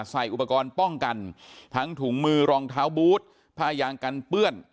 ใส่อุปกรณ์ป้องกันทั้งถุงมือรองเท้าบูธผ้ายางกันเปื้อน